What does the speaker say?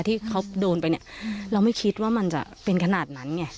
ที่เขาโดนไปเนี่ยเราไม่คิดว่ามันจะเป็นขนาดนั้นไง